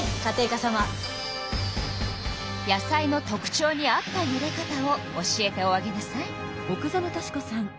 野菜の特ちょうに合ったゆで方を教えておあげなさい。